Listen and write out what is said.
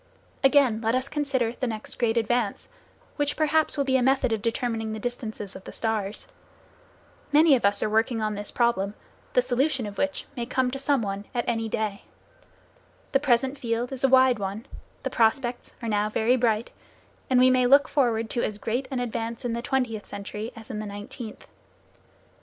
Again, let us consider the next great advance, which perhaps will be a method of determining the distances of the stars. Many of us are working on this problem, the solution of which may come to some one any day. The present field is a wide one, the prospects are now very bright, and we may look forward to as great an advance in the twentieth century, as in the nineteenth.